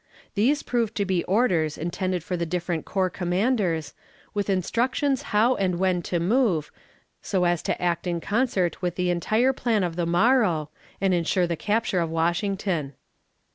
These proved to be orders intended for the different corps commanders, with instructions how and when to move, so as to act in concert with the entire plan of the morrow, and insure the capture of Washington.